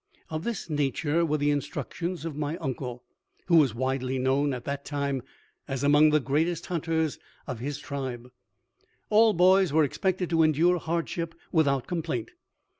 Of this nature were the instructions of my uncle, who was widely known at that time as among the greatest hunters of his tribe. All boys were expected to endure hardship without complaint.